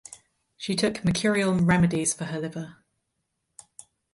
She took mercurial remedies for her liver.